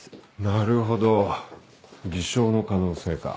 なるほど偽証の可能性か。